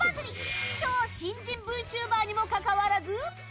超新人ＶＴｕｂｅｒにもかかわらず。